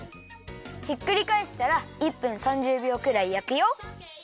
ひっくりかえしたら１分３０びょうくらいやくよ。